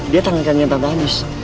dia tangankannya tante andis